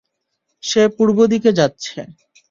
সে পূর্ব দিকে যাচ্ছে।